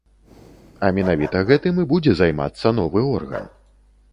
А менавіта гэтым і будзе займацца новы орган.